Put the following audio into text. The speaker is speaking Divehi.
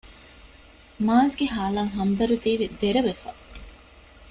މާޒްގެ ހާލަށް ހަމްދަރުދީވެ ދެރަވެފަ